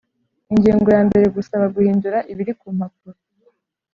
Ingingo ya mbere Gusaba guhindura ibiri ku mpapuro